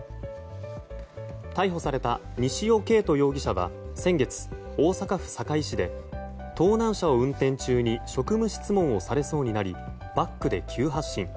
逮捕された西尾敬人容疑者は先月大阪府堺市で盗難車を運転中に職務質問をされそうになりバックで急発進。